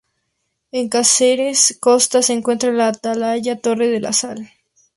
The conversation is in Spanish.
En Casares Costa se encuentra la atalaya Torre de la Sal.